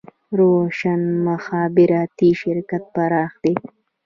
روشن مخابراتي شرکت پراخ دی